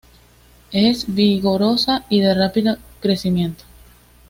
Es vigorosa y de rápido crecimiento.